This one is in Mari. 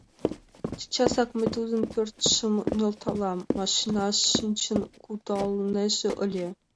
Чечасак мый тудын пӧртшым нӧлталам! — машинаш шинчын кудалнежат ыле.